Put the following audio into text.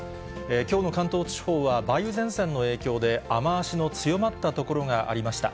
きょうの関東地方は梅雨前線の影響で、雨足の強まった所がありました。